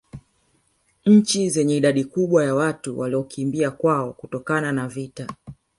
Nchi zenye idadi kubwa ya watu waliokimbia kwao kutokana na vita